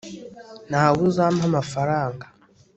ntawe uzampa amafaranga